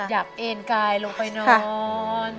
อยากเอ็นกายลงไปนอน